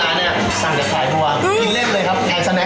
มันไม่น่าเผ็ดจากหมูที่มากกับพี่เอ